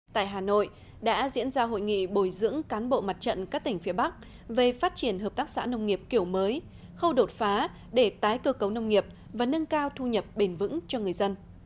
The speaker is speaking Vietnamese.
tại hà nội đã diễn ra hội nghị bồi dưỡng cán bộ mặt trận các tỉnh phía bắc về phát triển hợp tác xã nông nghiệp kiểu mới khâu đột phá để tái cơ cấu nông nghiệp và nâng cao thu nhập bền vững cho người dân